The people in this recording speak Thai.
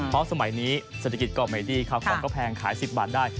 เพราะสมัยนี้เศรษฐกิจก็ไม่ดีข้าวของก็แพงขาย๑๐บาทได้